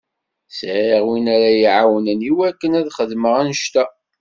Sɛiɣ win ara yi-iɛawnen i wakken ad xedmeɣ annect-a.